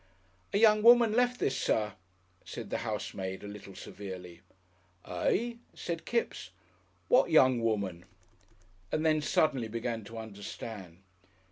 "A young woman left this, Sir," said the housemaid, a little severely. "Eh?" said Kipps; "what young woman?" and then suddenly began to understand.